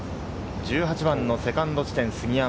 １８番のセカンド地点、杉山。